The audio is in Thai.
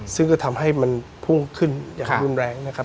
ซึ่งก็ทำให้มันพุ่งขึ้นอย่างรุนแรงนะครับ